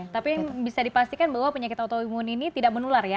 tapi bisa dipastikan bahwa penyakit autoimun ini tidak menular ya